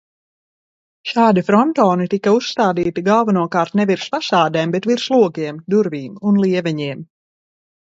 Šādi frontoni tika uzstādīti galvenokārt ne virs fasādēm, bet virs logiem, durvīm un lieveņiem.